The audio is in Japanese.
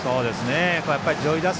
やっぱり上位打線